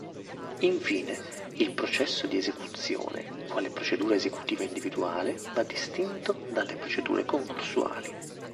Infine, il processo di esecuzione, quale procedura esecutiva individuale, va distinto dalle procedure concorsuali.